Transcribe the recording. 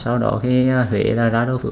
sau đó thì huyện đã đổ thủ